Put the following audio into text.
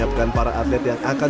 ya kalau untuk mempertahankan kita akan